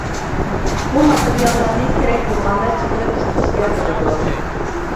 بۇ ماتېرىياللارنى كېرەك بولغاندا چىقىرىپ ئىشلىتىشكە بولىدۇ.